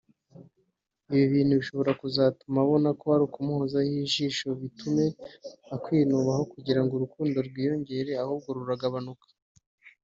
Ibi ni ibintu bishobora kuzatuma abona ko ari ukumuhozaho ijisho bitume akwinuba aho kugirango urukundo ruwiyongere ahubwo ruragabanuka